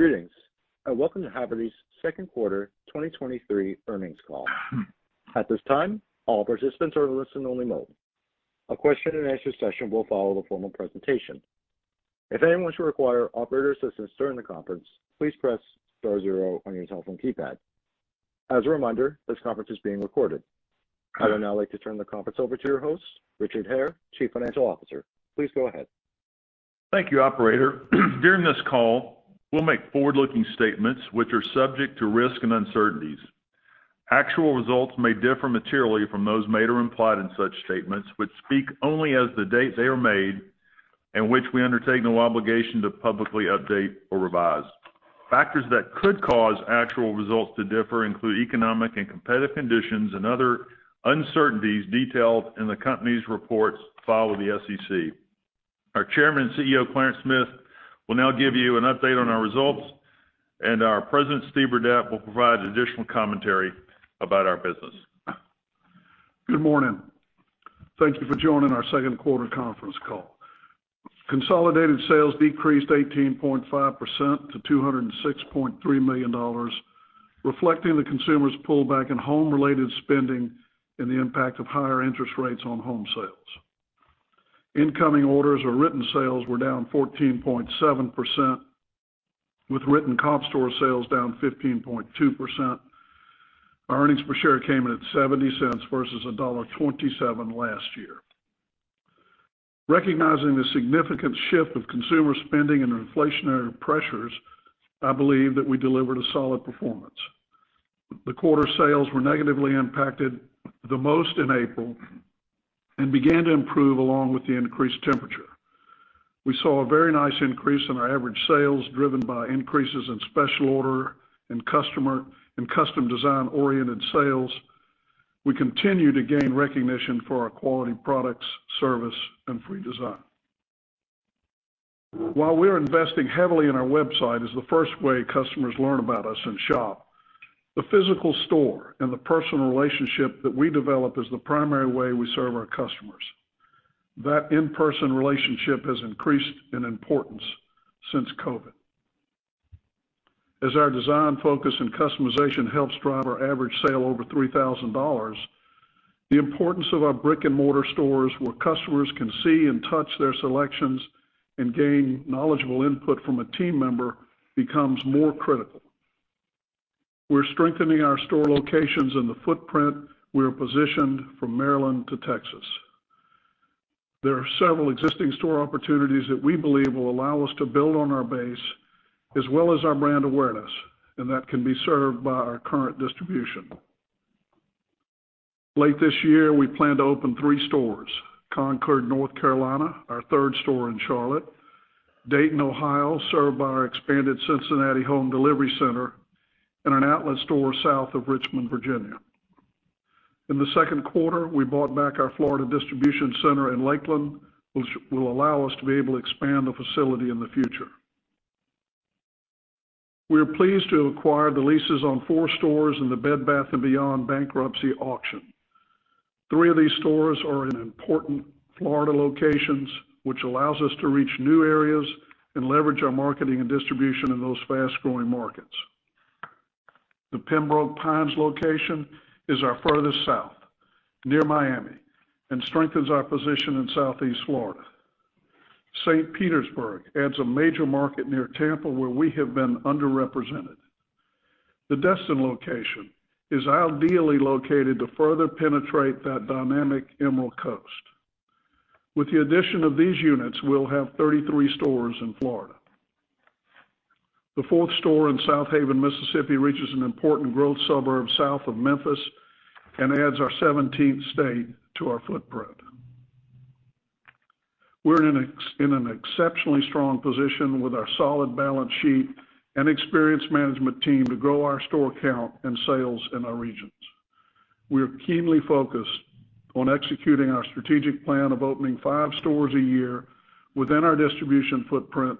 Greetings, and welcome to Havertys' second quarter 2023 earnings call. At this time, all participants are in listen-only mode. A question-and-answer session will follow the formal presentation. If anyone should require operator assistance during the conference, please press star zero on your telephone keypad. As a reminder, this conference is being recorded. I would now like to turn the conference over to your host, Richard Hare, Chief Financial Officer. Please go ahead. Thank you, Operator. During this call, we'll make forward-looking statements which are subject to risk and uncertainties. Actual results may differ materially from those made or implied in such statements, which speak only as of the date they are made, and which we undertake no obligation to publicly update or revise. Factors that could cause actual results to differ include economic and competitive conditions and other uncertainties detailed in the company's reports filed with the SEC. Our Chairman and CEO, Clarence Smith, will now give you an update on our results, and our President, Steve Burdette, will provide additional commentary about our business. Good morning. Thank you for joining our second quarter conference call. Consolidated sales decreased 18.5% to $206.3 million, reflecting the consumer's pullback in home-related spending and the impact of higher interest rates on home sales. Incoming orders or written sales were down 14.7%, with written comp store sales down 15.2%. Our earnings per share came in at $0.70 versus $1.27 last year. Recognizing the significant shift of consumer spending and inflationary pressures, I believe that we delivered a solid performance. The quarter sales were negatively impacted the most in April and began to improve along with the increased temperature. We saw a very nice increase in our average sales, driven by increases in special order and custom design-oriented sales. We continue to gain recognition for our quality products, service, and free design. While we're investing heavily in our website as the first way customers learn about us and shop, the physical store and the personal relationship that we develop is the primary way we serve our customers. That in-person relationship has increased in importance since COVID. As our design focus and customization helps drive our average sale over $3,000, the importance of our brick-and-mortar stores, where customers can see and touch their selections and gain knowledgeable input from a team member, becomes more critical. We're strengthening our store locations in the footprint we are positioned from Maryland to Texas. There are several existing store opportunities that we believe will allow us to build on our base as well as our brand awareness, and that can be served by our current distribution. Late this year, we plan to open three stores: Concord, North Carolina, our third store in Charlotte, Dayton, Ohio, served by our expanded Cincinnati Home Delivery Center, and an outlet store south of Richmond, Virginia. In the second quarter, we bought back our Florida distribution center in Lakeland, which will allow us to be able to expand the facility in the future. We are pleased to acquire the leases on four stores in the Bed Bath & Beyond bankruptcy auction. Three of these stores are in important Florida locations, which allows us to reach new areas and leverage our marketing and distribution in those fast-growing markets. The Pembroke Pines location is our furthest south, near Miami, and strengthens our position in Southeast Florida. St. Petersburg adds a major market near Tampa, where we have been underrepresented. The Destin location is ideally located to further penetrate that dynamic Emerald Coast. With the addition of these units, we'll have 33 stores in Florida. The fourth store in Southaven, Mississippi, reaches an important growth suburb south of Memphis and adds our 17th state to our footprint. We're in an exceptionally strong position with our solid balance sheet and experienced management team to grow our store count and sales in our regions. We are keenly focused on executing our strategic plan of opening five stores a year within our distribution footprint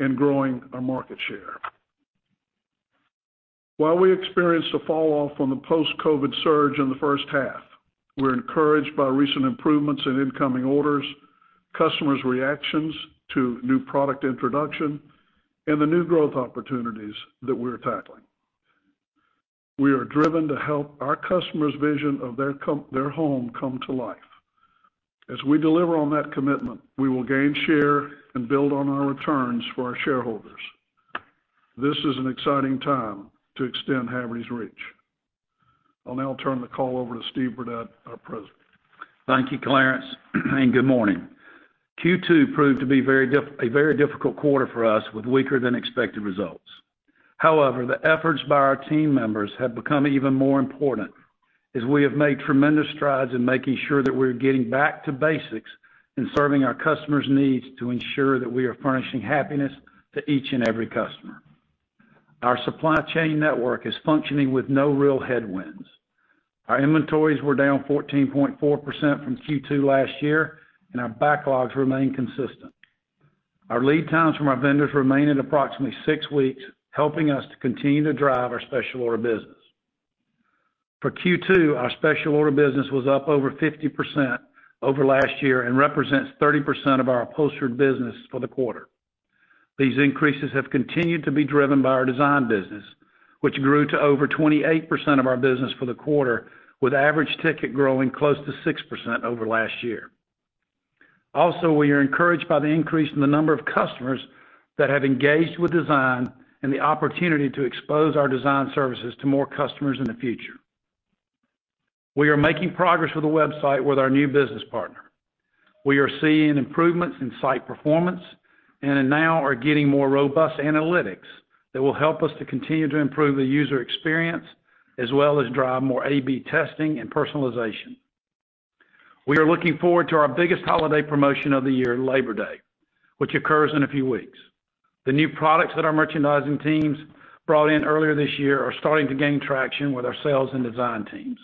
and growing our market share. While we experienced a fall off on the post-COVID surge in the first half, we're encouraged by recent improvements in incoming orders, customers' reactions to new product introduction, and the new growth opportunities that we're tackling. We are driven to help our customers' vision of their home come to life. As we deliver on that commitment, we will gain share and build on our returns for our shareholders. This is an exciting time to extend Havertys' reach. I'll now turn the call over to Steve Burdette, our president. Thank you, Clarence, and good morning. Q2 proved to be a very difficult quarter for us, with weaker than expected results. However, the efforts by our team members have become even more important, as we have made tremendous strides in making sure that we're getting back to basics in serving our customers' needs to ensure that we are furnishing happiness to each and every customer. Our supply chain network is functioning with no real headwinds. Our inventories were down 14.4% from Q2 last year, and our backlogs remain consistent. Our lead times from our vendors remain at approximately six weeks, helping us to continue to drive our special order business. For Q2, our special order business was up over 50% over last year and represents 30% of our upholstered business for the quarter. These increases have continued to be driven by our design business, which grew to over 28% of our business for the quarter, with average ticket growing close to 6% over last year. Also, we are encouraged by the increase in the number of customers that have engaged with design and the opportunity to expose our design services to more customers in the future. We are making progress with the website with our new business partner. We are seeing improvements in site performance and now are getting more robust analytics that will help us to continue to improve the user experience, as well as drive more A/B testing and personalization. We are looking forward to our biggest holiday promotion of the year, Labor Day, which occurs in a few weeks. The new products that our merchandising teams brought in earlier this year are starting to gain traction with our sales and design teams.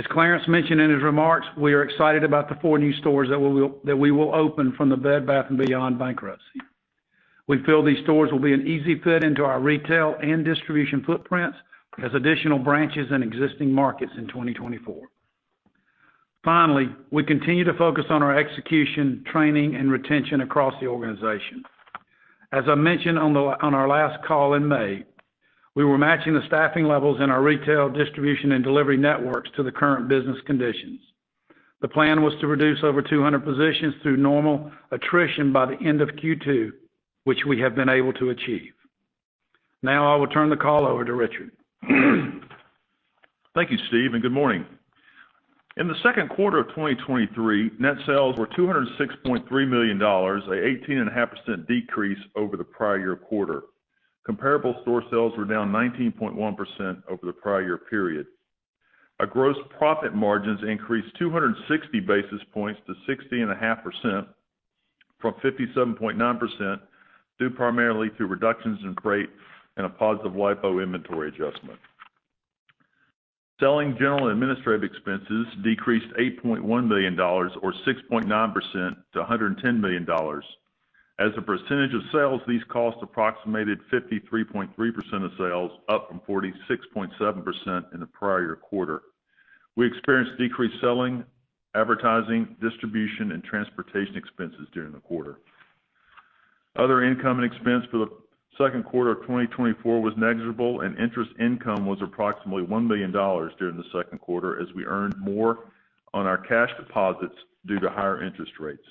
As Clarence mentioned in his remarks, we are excited about the 4 new stores that we will open from the Bed Bath & Beyond bankruptcy. We feel these stores will be an easy fit into our retail and distribution footprints as additional branches in existing markets in 2024. Finally, we continue to focus on our execution, training and retention across the organization. As I mentioned on our last call in May, we were matching the staffing levels in our retail, distribution and delivery networks to the current business conditions. The plan was to reduce over 200 positions through normal attrition by the end of Q2, which we have been able to achieve. Now, I will turn the call over to Richard. Thank you, Steve, and good morning. In the second quarter of 2023, net sales were $206.3 million, an 18.5% decrease over the prior year quarter. Comparable store sales were down 19.1% over the prior year period. Our gross profit margins increased 260 basis points to 60.5% from 57.9%, due primarily to reductions in freight and a positive LIFO inventory adjustment. Selling, General and Administrative expenses decreased $8.1 million or 6.9% to $110 million. As a percentage of sales, these costs approximated 53.3% of sales, up from 46.7% in the prior quarter. We experienced decreased selling, advertising, distribution and transportation expenses during the quarter. Other income and expense for the second quarter of 2024 was negligible, interest income was approximately $1 million during the second quarter as we earned more on our cash deposits due to higher interest rates.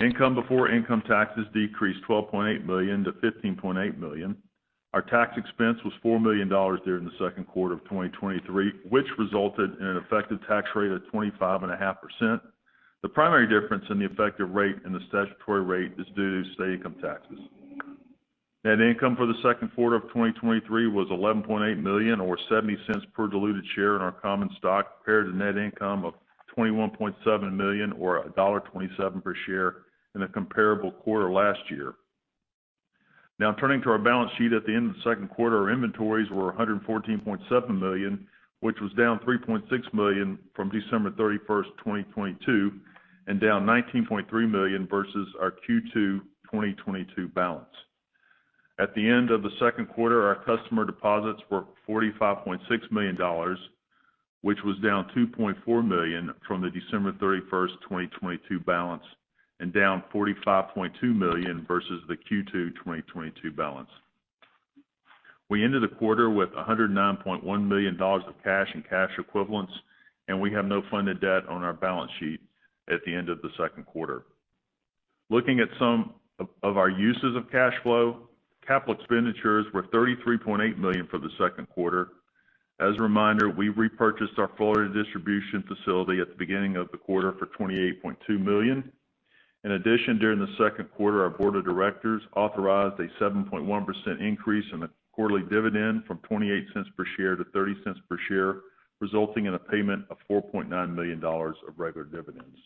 Income before income taxes decreased $12.8 million to $15.8 million. Our tax expense was $4 million during the second quarter of 2023, which resulted in an effective tax rate of 25.5%. The primary difference in the effective rate and the statutory rate is due to state income taxes. Net income for the second quarter of 2023 was $11.8 million, or $0.70 per diluted share in our common stock, compared to net income of $21.7 million or $1.27 per share in the comparable quarter last year. Turning to our balance sheet. At the end of the second quarter, our inventories were $114.7 million, which was down $3.6 million from December 31st, 2022, and down $19.3 million versus our Q2 2022 balance. At the end of the second quarter, our customer deposits were $45.6 million, which was down $2.4 million from the December 31st, 2022 balance and down $45.2 million versus the Q2 2022 balance. We ended the quarter with $109.1 million of cash and cash equivalents. We have no funded debt on our balance sheet at the end of the second quarter. Looking at some of our uses of cash flow, capital expenditures were $33.8 million for the second quarter. As a reminder, we repurchased our Florida distribution facility at the beginning of the quarter for $28.2 million. In addition, during the second quarter, our board of directors authorized a 7.1% increase in the quarterly dividend from $0.28 per share to $0.30 per share, resulting in a payment of $4.9 million of regular dividends.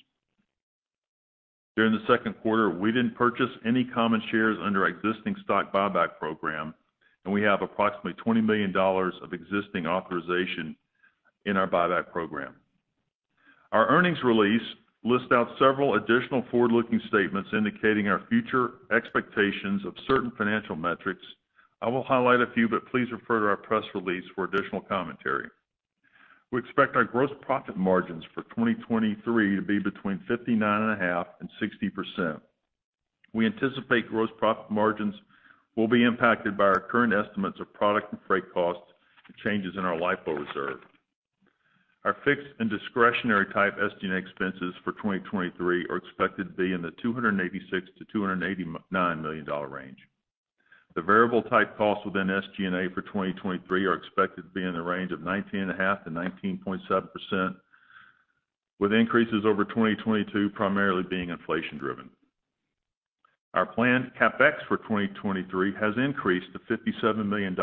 During the second quarter, we didn't purchase any common shares under our existing stock buyback program, and we have approximately $20 million of existing authorization in our buyback program. Our earnings release lists out several additional forward-looking statements indicating our future expectations of certain financial metrics. I will highlight a few, but please refer to our press release for additional commentary. We expect our gross profit margins for 2023 to be between 59.5% and 60%. We anticipate gross profit margins will be impacted by our current estimates of product and freight costs and changes in our LIFO reserve. Our fixed and discretionary type SG&A expenses for 2023 are expected to be in the $286 million-$289 million range. The variable type costs within SG&A for 2023 are expected to be in the range of 19.5%-19.7%, with increases over 2022 primarily being inflation driven. Our planned CapEx for 2023 has increased to $57 million.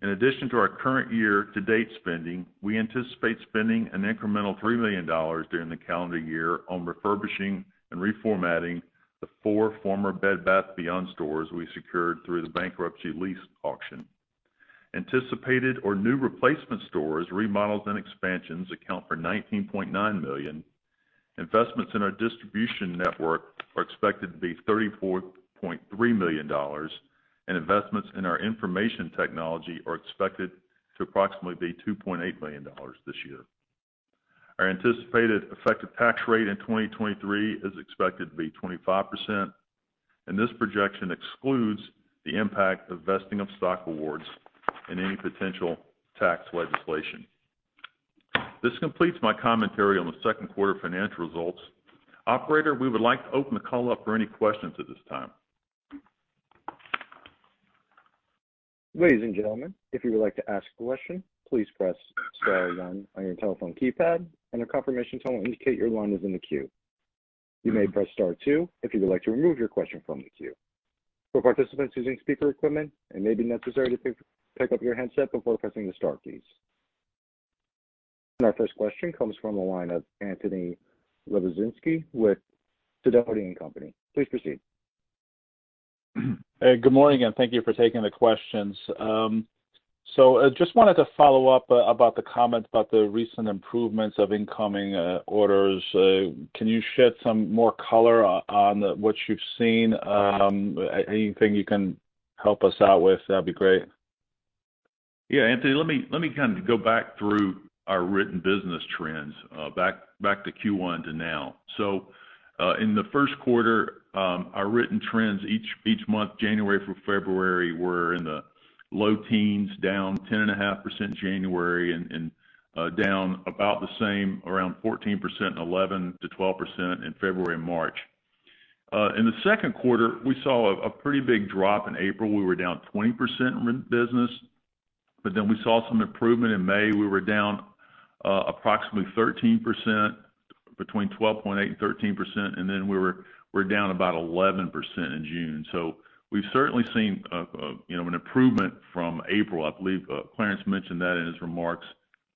In addition to our current year-to-date spending, we anticipate spending an incremental $3 million during the calendar year on refurbishing and reformatting the four former Bed Bath & Beyond stores we secured through the bankruptcy lease auction. Anticipated or new replacement stores, remodels and expansions account for $19.9 million. Investments in our distribution network are expected to be $34.3 million, and investments in our information technology are expected to approximately be $2.8 million this year. Our anticipated effective tax rate in 2023 is expected to be 25%, and this projection excludes the impact of vesting of stock awards and any potential tax legislation. This completes my commentary on the second quarter financial results. Operator, we would like to open the call up for any questions at this time. Ladies and gentlemen, if you would like to ask a question, please press star one on your telephone keypad, and a confirmation tone will indicate your line is in the queue. You may press star two if you would like to remove your question from the queue. For participants using speaker equipment, it may be necessary to pick up your handset before pressing the star keys. Our first question comes from the line of Anthony Lebiedzinski with Sidoti & Company. Please proceed. Hey, good morning, and thank you for taking the questions. I just wanted to follow up about the comment about the recent improvements of incoming orders. Can you shed some more color on, on what you've seen? Anything you can help us out with, that'd be great. Yeah, Anthony, let me, let me kind of go back through our written business trends, back, back to Q1 to now. In the first quarter, our written trends each, each month, January through February, were in the low teens, down 10.5% January, down about the same, around 14% and 11%-12% in February and March. In the second quarter, we saw a pretty big drop. In April, we were down 20% in business, we saw some improvement in May. We were down approximately 13%, between 12.8% and 13%, and we're down about 11% in June. We've certainly seen, you know, an improvement from April. I believe, Clarence mentioned that in his remarks,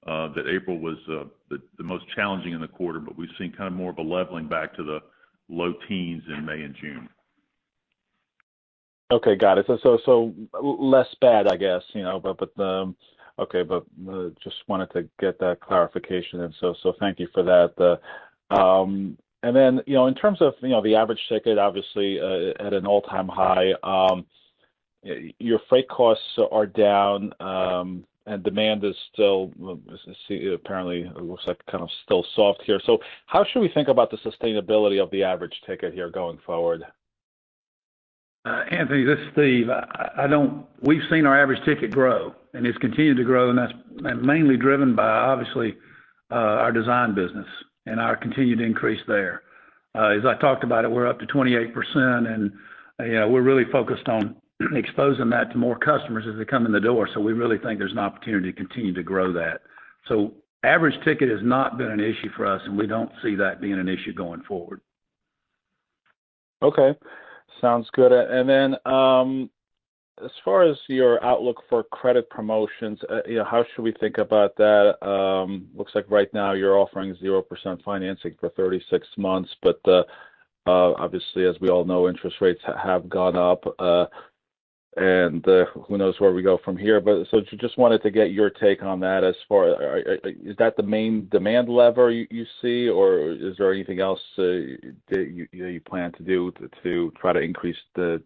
that April was the most challenging in the quarter, but we've seen kind of more of a leveling back to the low teens in May and June. Okay, got it. So, so less bad, I guess, you know, but, but, okay, but, just wanted to get that clarification in. Thank you for that. Then, you know, in terms of, you know, the average ticket, obviously, at an all-time high, your freight costs are down, and demand is still, let's see, apparently, it looks like kind of still soft here. How should we think about the sustainability of the average ticket here going forward? Anthony, this is Steve. I, I don't-- We've seen our average ticket grow, and it's continued to grow, and that's mainly driven by, obviously, our design business and our continued increase there. As I talked about it, we're up to 28%, and, you know, we're really focused on exposing that to more customers as they come in the door. We really think there's an opportunity to continue to grow that. Average ticket has not been an issue for us, and we don't see that being an issue going forward. Okay. Sounds good. As far as your outlook for credit promotions, you know, how should we think about that? Looks like right now you're offering 0% financing for 36 months, obviously, as we all know, interest rates have gone up, and who knows where we go from here? Just wanted to get your take on that as far as, is that the main demand lever you see, or is there anything else that you plan to do to try to increase the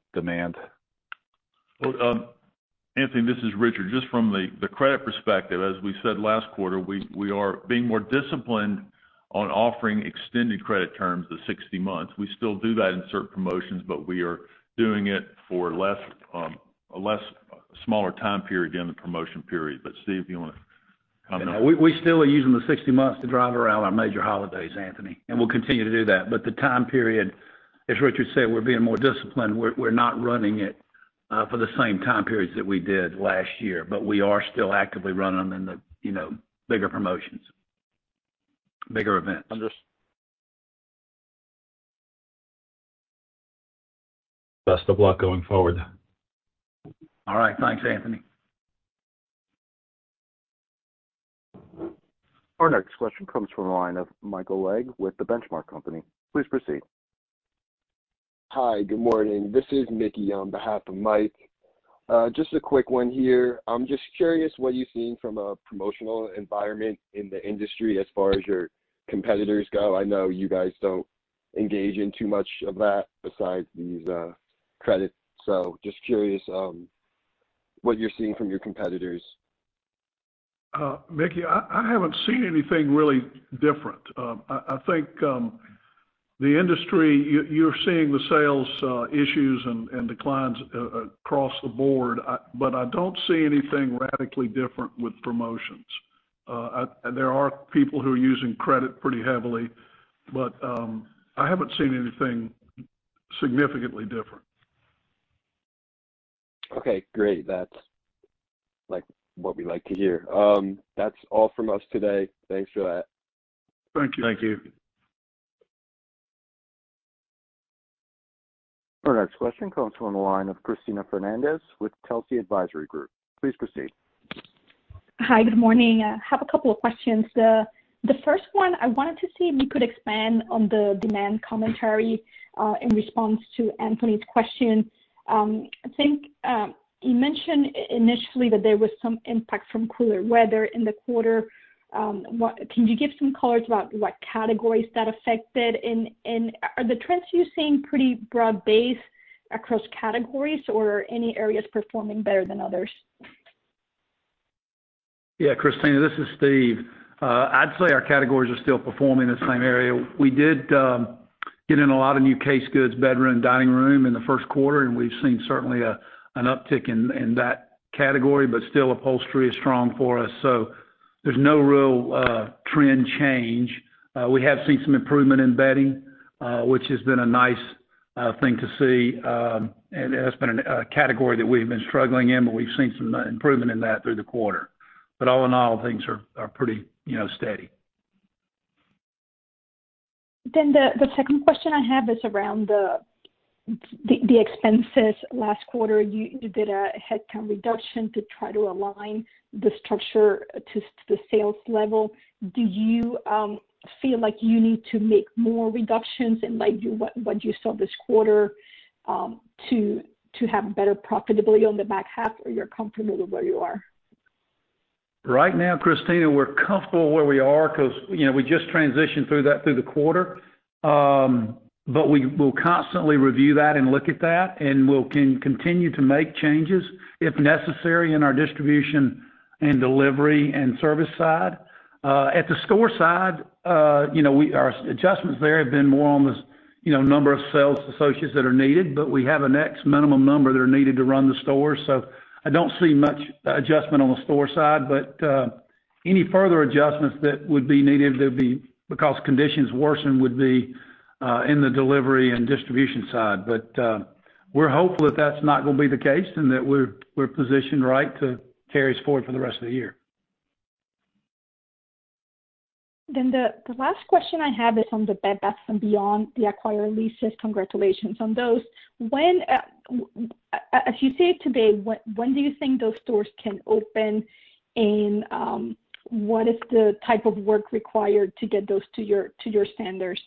demand? Well, Anthony, this is Richard. Just from the credit perspective, as we said last quarter, we are being more disciplined on offering extended credit terms of 60 months. We still do that in certain promotions, we are doing it for less, a less smaller time period during the promotion period. Steve, do you want to comment? We still are using the 60 months to drive around our major holidays, Anthony. We'll continue to do that. The time period, as Richard said, we're being more disciplined. We're not running it for the same time periods that we did last year, but we are still actively running them in the, you know, bigger promotions, bigger events. Understood. Best of luck going forward. All right. Thanks, Anthony. Our next question comes from the line of Michael Legg with The Benchmark Company. Please proceed. Hi, good morning. This is Mickey on behalf of Mike. Just a quick one here. I'm just curious what you're seeing from a promotional environment in the industry as far as your competitors go. I know you guys don't engage in too much of that besides these credits. Just curious what you're seeing from your competitors. Mickey, I, I haven't seen anything really different. I, I think, the industry, you're, you're seeing the sales, issues and, and declines across the board, but I don't see anything radically different with promotions. There are people who are using credit pretty heavily, but, I haven't seen anything significantly different. Okay, great. That's like what we like to hear. That's all from us today. Thanks for that. Thank you. Thank you. Our next question comes from the line of Cristina Fernández with Telsey Advisory Group. Please proceed. Hi, good morning. I have a couple of questions. The first one, I wanted to see if you could expand on the demand commentary, in response to Anthony's question. I think, you mentioned initially that there was some impact from cooler weather in the quarter. What can you give some colors about what categories that affected? And are the trends you're seeing pretty broad-based across categories, or any areas performing better than others? Yeah, Cristina, this is Steve. I'd say our categories are still performing the same area. We did get in a lot of new case goods, bedroom, dining room in the first quarter. We've seen certainly an uptick in that category. Still, upholstery is strong for us. There's no real trend change. We have seen some improvement in bedding, which has been a nice thing to see, and that's been a category that we've been struggling in, but we've seen some improvement in that through the quarter. All in all, things are, are pretty, you know, steady. The, the second question I have is around the, the, the expenses. Last quarter, you, you did a headcount reduction to try to align the structure to the sales level. Do you feel like you need to make more reductions and like, you, what, what you saw this quarter, to, to have better profitability on the back half, or you're comfortable with where you are? Right now, Cristina, we're comfortable where we are 'cause, you know, we just transitioned through that through the quarter. We will constantly review that and look at that, and we'll continue to make changes if necessary, in our distribution and delivery and service side. At the store side, you know, our adjustments there have been more on the, you know, number of sales associates that are needed, but we have an X minimum number that are needed to run the store. I don't see much adjustment on the store side, but any further adjustments that would be needed, that would be because conditions worsen, would be in the delivery and distribution side. We're hopeful that that's not gonna be the case, and that we're, we're positioned right to carry us forward for the rest of the year. The, the last question I have is on the Bed Bath & Beyond, the acquired leases. Congratulations on those. When, as, as you see it today, when, when do you think those stores can open? What is the type of work required to get those to your, to your standards?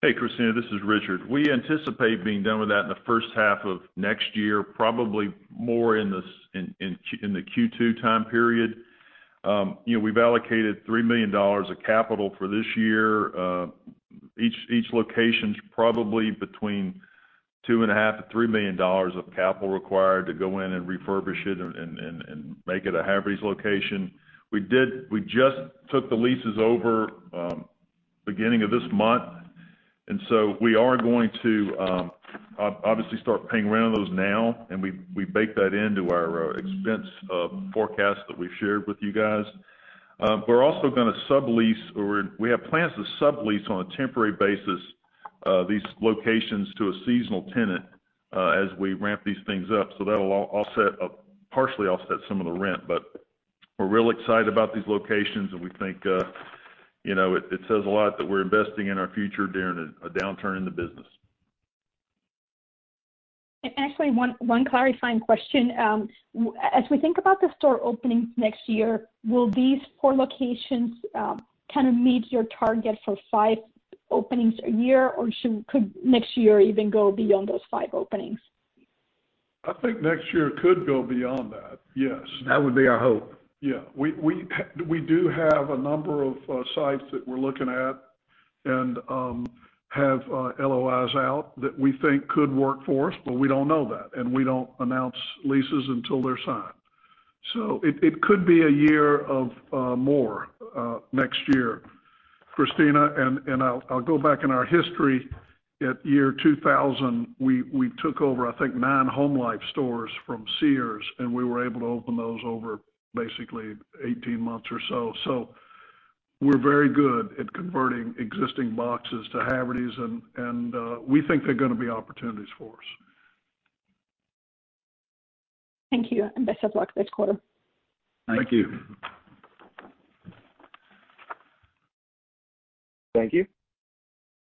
Hey, Christina, this is Richard. We anticipate being done with that in the first half of next year, probably more in the Q2 time period. You know, we've allocated $3 million of capital for this year. Each location's probably between $2.5 million-$3 million of capital required to go in and refurbish it and make it a Havertys location. We just took the leases over, beginning of this month, and so we are going to obviously start paying rent on those now, and we bake that into our expense forecast that we've shared with you guys. We're also gonna sublease or we have plans to sublease, on a temporary basis, these locations to a seasonal tenant, as we ramp these things up. That'll offset partially offset some of the rent. We're real excited about these locations, and we think, you know, it, it says a lot that we're investing in our future during a, a downturn in the business. Actually, one, one clarifying question. As we think about the store openings next year, will these four locations, kind of meet your target for five openings a year, or could next year even go beyond those five openings? I think next year could go beyond that, yes. That would be our hope. Yeah. We, we do have a number of sites that we're looking at and have LOI out that we think could work for us, but we don't know that, and we don't announce leases until they're signed. It, it could be a year of more next year, Cristina. I'll, I'll go back in our history. At year 2000, we, we took over, I think, nine HomeLife stores from Sears, and we were able to open those over basically 18 months or so. We're very good at converting existing boxes to Havertys, and, and we think they're gonna be opportunities for us. Thank you, and best of luck this quarter. Thank you. Thank you. Thank you.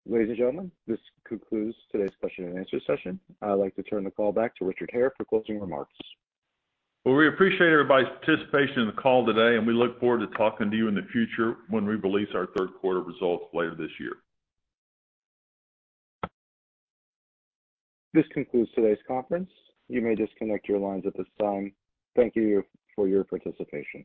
Ladies and gentlemen, this concludes today's question and answer session. I'd like to turn the call back to Richard Hare for closing remarks. Well, we appreciate everybody's participation in the call today, and we look forward to talking to you in the future when we release our third quarter results later this year. This concludes today's conference. You may disconnect your lines at this time. Thank you for your participation.